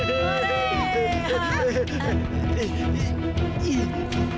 saya udah selesai